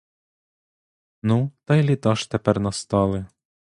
Ну, та й літа ж тепер настали!